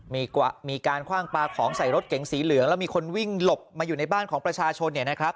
มีการคว่างปลาของใส่รถเก๋งสีเหลืองแล้วมีคนวิ่งหลบมาอยู่ในบ้านของประชาชนเนี่ยนะครับ